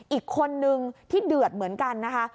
อีกคนนึงที่เดือดเหมือนกันนะคะ